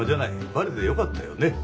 バレてよかったよね。